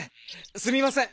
すみません。